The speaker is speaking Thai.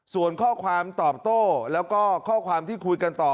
ส่วนข้อความตอบโต้แล้วก็ข้อความที่คุยกันต่อ